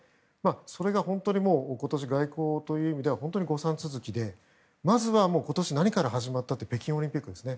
それが本当に今年外交という意味では誤算続きでまずは今年何から始まったというと北京オリンピックですね。